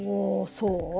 そう？